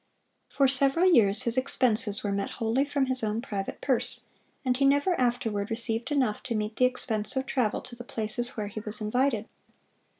For several years his expenses were met wholly from his own private purse, and he never afterward received enough to meet the expense of travel to the places where he was invited.